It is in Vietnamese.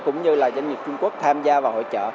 cũng như là doanh nghiệp trung quốc tham gia vào hội trợ